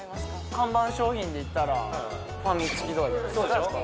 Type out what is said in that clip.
看板商品でいったらファミチキとかじゃないですか？